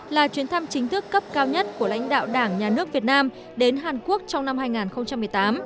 là chuyến thăm chính thức cấp cao nhất của lãnh đạo đảng nhà nước việt nam đến hàn quốc trong năm hai nghìn một mươi tám